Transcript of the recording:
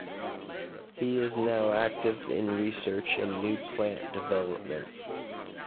He is now active in research and new plant development.